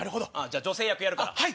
じゃあ女性役やるから。